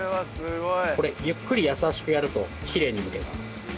これゆっくり優しくやるときれいにむけます。